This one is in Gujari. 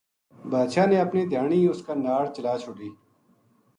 بادشاہ نے اپنی دھیانی اس کے ناڑ چلا چھوڈی